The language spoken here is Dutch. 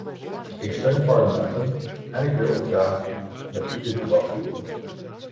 Ik steun parlementen en ik wil graag met u dit debat voeren.